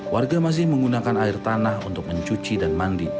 warga masih menggunakan air tanah untuk mencuci dan mandi